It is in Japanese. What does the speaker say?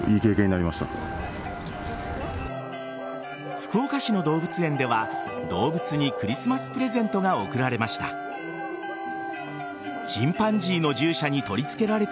福岡市の動物園では動物にクリスマスプレゼントが贈られました。